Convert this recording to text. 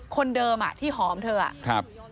คนเดิมอะที่หอมเธออะ